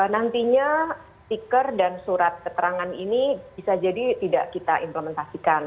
nantinya stiker dan surat keterangan ini bisa jadi tidak kita implementasikan